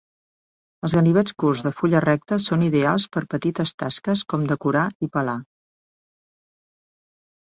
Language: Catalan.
Els ganivets curts de fulla recta són ideals per a petites tasques com decorar i pelar.